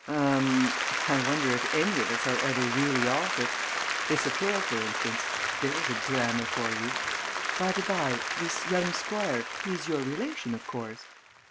"Um! I wonder if any of us are ever really off it! This affair, for instance there's a drama for you! By the bye this young Squire he's your relation, of course?"